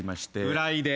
浦井で。